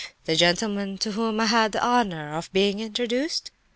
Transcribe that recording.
The gentleman to whom I had the honour of being introduced?"